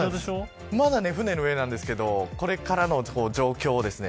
まだ船の上なんですけどこれからの状況を。